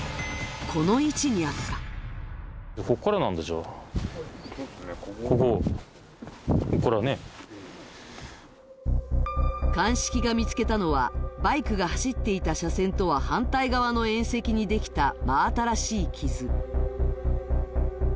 この位置にあった鑑識が見つけたのはバイクが走っていた車線とは反対側の縁石にできた真新しい傷